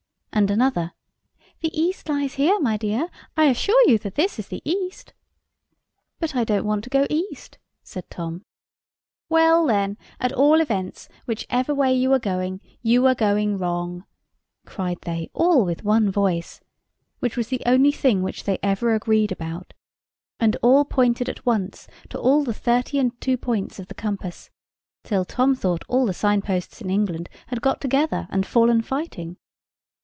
And another, "The east lies here, my dear; I assure you this is the east." "But I don't want to go east," said Tom. "Well, then, at all events, whichever way you are going, you are going wrong," cried they all with one voice—which was the only thing which they ever agreed about; and all pointed at once to all the thirty and two points of the compass, till Tom thought all the sign posts in England had got together, and fallen fighting.